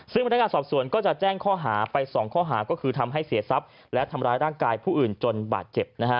ซึ่งพนักงานสอบสวนก็จะแจ้งข้อหาไป๒ข้อหาก็คือทำให้เสียทรัพย์และทำร้ายร่างกายผู้อื่นจนบาดเจ็บ